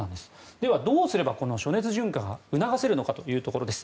では、どうすればこの暑熱順化が促せるのかというところです。